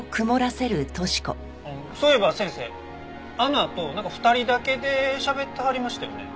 そういえば先生あのあとなんか２人だけでしゃべってはりましたよね？